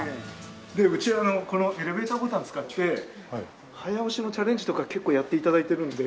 でうちはこのエレベーターボタン使って早押しのチャレンジとか結構やって頂いてるので。